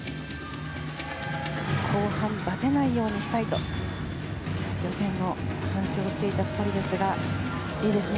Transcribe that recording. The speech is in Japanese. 後半、バテないようにしたいと予選の反省をしていた２人ですがいいですね。